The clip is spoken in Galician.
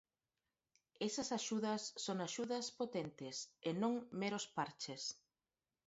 Esas axudas son axudas potentes, e non meros parches.